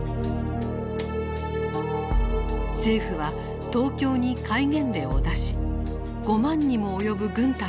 政府は東京に戒厳令を出し５万にも及ぶ軍隊に治安維持を委ねた。